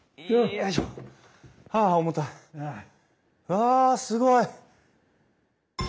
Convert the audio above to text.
わあすごい！